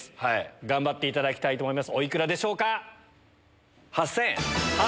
頑張っていただきたいと思います。